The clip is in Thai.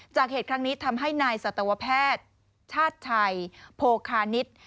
เหตุครั้งนี้ทำให้นายสัตวแพทย์ชาติชัยโพคานิต